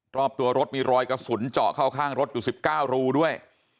รอบตัวรถมีรอยกระสุนเจาะเข้าข้างรถอยู่๑๙รูด้วย